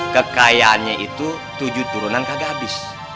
kekayaannya itu tujuh turunan kagak habis